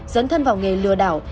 dấn thân vào nghề lừa đảo